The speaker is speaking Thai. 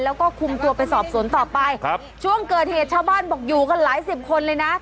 แล้วก็คุมตัวไปสอบสวนต่อไปครับช่วงเกิดเหตุชาวบ้านบอกอยู่กันหลายสิบคนเลยนะ